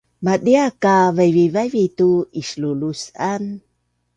madia ka vaivivavi tu islulus’an